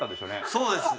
そうです。